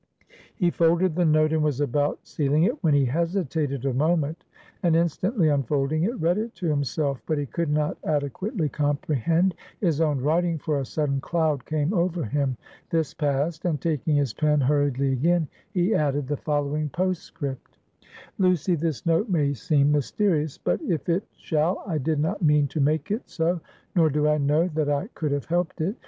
He folded the note, and was about sealing it, when he hesitated a moment, and instantly unfolding it, read it to himself. But he could not adequately comprehend his own writing, for a sudden cloud came over him. This passed; and taking his pen hurriedly again, he added the following postscript: "Lucy, this note may seem mysterious; but if it shall, I did not mean to make it so; nor do I know that I could have helped it.